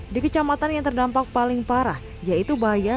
di kecamatan yang terdampak paling parah yaitu bahaya